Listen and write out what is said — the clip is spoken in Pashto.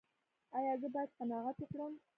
ایا زه باید قناعت وکړم؟